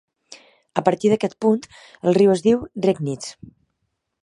A partir d'aquest punt el riu es diu Regnitz.